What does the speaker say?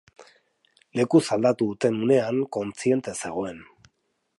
Lekuz aldatu duten unean kontziente zegoen.